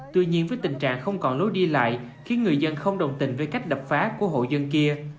tuy nhiên với tình trạng không còn lối đi lại khiến người dân không đồng tình với cách đập phá của hộ dân kia